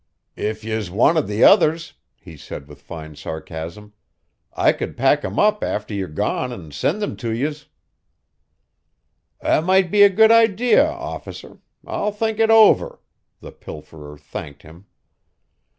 "If yez wanted the others," he said with fine sarcasm, "I could pack 'em up afther ye're gone an' sind thim to yez." "That might be a good idea, Officer I'll think it over," the pilferer thanked him.